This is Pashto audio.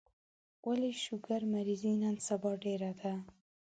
ولي شوګر مريضي نن سبا ډيره ده